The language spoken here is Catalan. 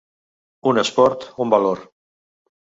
Un esport, un valor.